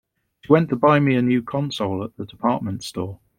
She went to buy me a new console at the department store.